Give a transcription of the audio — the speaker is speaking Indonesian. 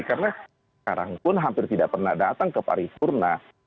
karena sekarang pun hampir tidak pernah datang ke pariwurna